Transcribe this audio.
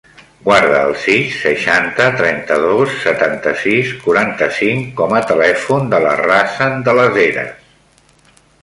Guarda el sis, seixanta, trenta-dos, setanta-sis, quaranta-cinc com a telèfon de la Razan De Las Heras.